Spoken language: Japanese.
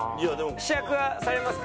試着はされますか？